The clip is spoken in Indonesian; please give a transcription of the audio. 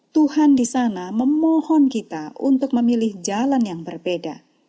tuhan di sana memohon kita untuk memilih jalan yang berbeda